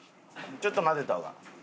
ちょっと混ぜた方が。